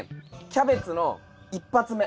キャベツの一発目。